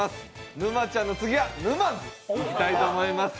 沼ちゃんの次はぬまんづ、いきたいと思います。